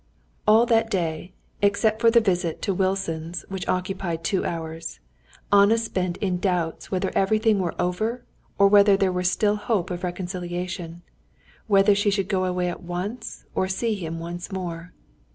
All that day, except for the visit to Wilson's, which occupied two hours, Anna spent in doubts whether everything were over or whether there were still hope of reconciliation, whether she should go away at once or see him once more.